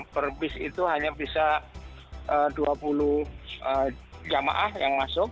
per bis itu hanya bisa dua puluh jemaah yang masuk